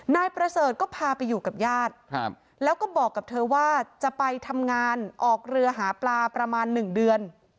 นายประเสริฐก็พาไปอยู่กับญาติแล้วก็บอกกับเธอว่าจะไปทำงานออกเรือหาปลาประมาณ๑เดือน